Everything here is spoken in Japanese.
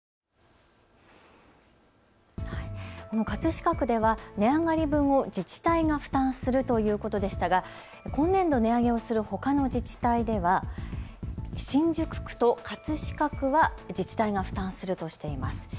葛飾区では値上がり分を自治体が負担するということでしたが今年度、値上げをするほかの自治体では新宿区と葛飾区は自治体が負担するとしています。